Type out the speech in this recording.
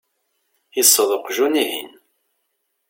iṣṣeḍ uqjun-ihin.